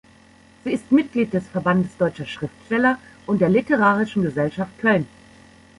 Sie ist Mitglied des Verbandes Deutscher Schriftsteller und der Literarischen Gesellschaft Köln.